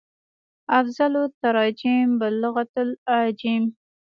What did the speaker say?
افضل التراجم بالغت العاجم